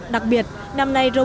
đặc biệt năm nay rộng